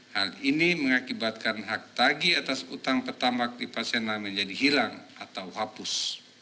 hal ini mengakibatkan hak tagi atas utang pertama aktifasional menjadi hilang atau hapus